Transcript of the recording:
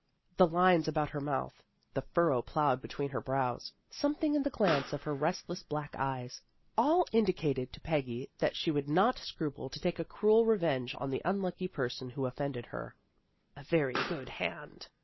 The lines about her mouth, the furrow plowed between her brows, something in the glance of her restless black eyes, all indicated to Peggy that she would not scruple to take a cruel revenge on the unlucky person who offended her. " A very good hand."